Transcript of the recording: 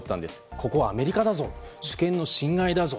ここはアメリカだぞ主権の侵害だぞ。